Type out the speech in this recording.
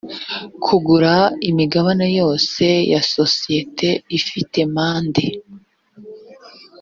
kugura imigabane yose ya sosiyete ifite made